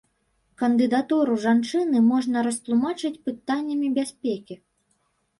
Кандыдатуру жанчыны можна растлумачыць пытаннямі бяспекі.